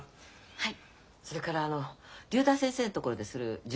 はい。